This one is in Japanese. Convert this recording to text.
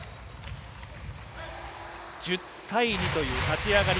１０対２という立ち上がり